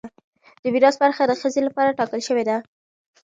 د میراث برخه د ښځې لپاره ټاکل شوې ده.